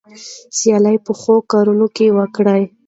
سیالي په ښو کارونو کې وکړئ.